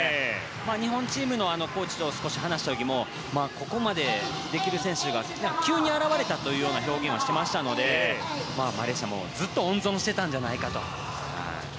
日本チームのコーチと少し話した時もここまでできる選手が急に現れたという表現をしていましたのでマレーシアもずっと温存していたんじゃないかと。